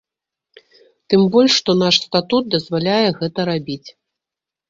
Тым больш што наш статут дазваляе гэта рабіць.